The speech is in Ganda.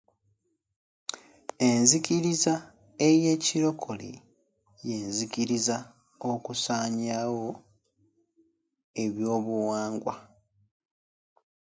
Enzikiriza ey'ekirokole, yesinze okusanyaawo ebyobuwangwa.